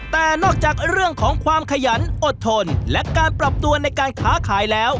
แต่นอกจากเรื่องของความขยันอดทนและการปรับตัวในการค้าขายแล้ว